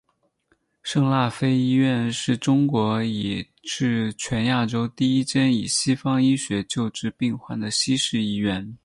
圣辣非医院是中国以至全亚洲第一间以西方医学救治病患的西式医院。